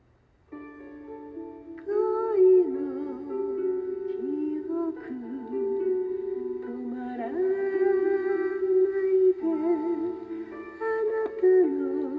「恋の記憶止まらないであなたの声」